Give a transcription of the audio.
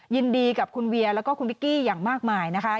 ยินดีกับคุณเวียแล้วก็คุณวิกกี้อย่างมากมายนะคะ